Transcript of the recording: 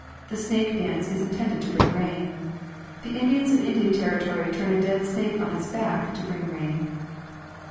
The snake dance is intended to bring rain. The Indians of Indian territory turn a dead snake on its back to bring rain."